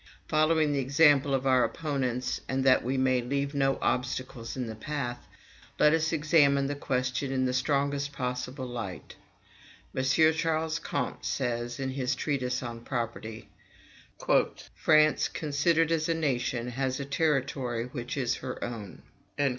Following the example of our opponents, and that we may leave no obstacles in the path, let us examine the question in the strongest possible light. M. Ch. Comte says, in his "Treatise on Property:" "France, considered as a nation, has a territory which is her own."